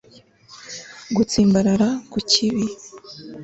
gutsimbarara ku kibi